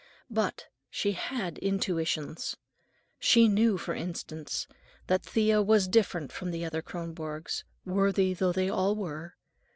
But she had intuitions. She knew, for instance, that Thea was different from the other Kronborgs, worthy though they all were.